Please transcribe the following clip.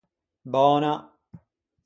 Böna!